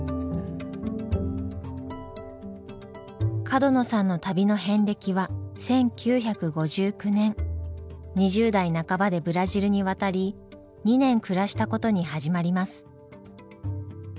角野さんの旅の遍歴は１９５９年２０代半ばでブラジルに渡り２年暮らしたことに始まります。